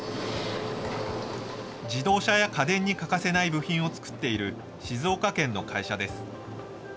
自動車や家電に欠かせない部品を作っている静岡県の会社です。